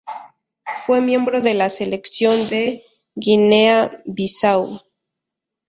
Fue miembro de la selección de Guinea-Bisáu.